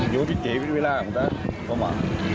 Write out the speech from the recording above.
อยู่พิเศษเป็นเวลามันก็มา